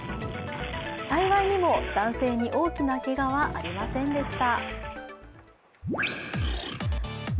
幸いにも、男性に大きなけがはありませんでした。